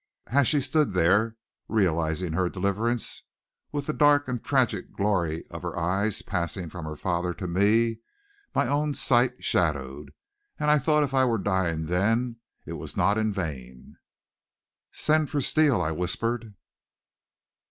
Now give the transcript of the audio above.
As she stood there, realizing her deliverance, with the dark and tragic glory of her eyes passing from her father to me, my own sight shadowed, and I thought if I were dying then, it was not in vain. "Send for Steele," I whispered.